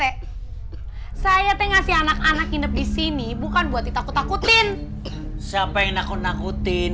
hai saya tengah si anak anak hidup di sini bukan buat ditakut takutin siapa yang naku nakutin